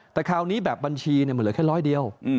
แต่คราวนี้แบบบัญชีมันเหลือแค่ร้อยเดียว